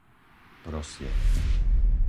Prosiek